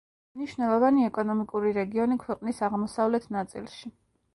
მნიშვნელოვანი ეკონომიკური რეგიონი ქვეყნის აღმოსავლეთ ნაწილში.